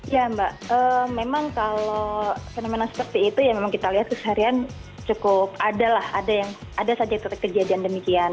ya mbak memang kalau fenomena seperti itu yang kita lihat seharian cukup ada lah ada saja ketika kejadian demikian